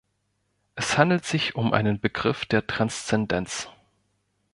Es handelt sich um einen Begriff der Transzendenz.